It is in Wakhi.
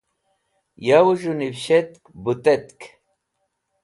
Yawẽ z̃hũ nivishetk bũtetk.